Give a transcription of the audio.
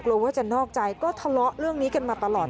กลัวว่าจะนอกใจก็ทะเลาะเรื่องนี้กันมาตลอด